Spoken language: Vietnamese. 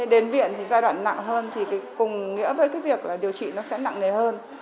đến viện thì giai đoạn nặng hơn thì cùng nghĩa với cái việc điều trị nó sẽ nặng nề hơn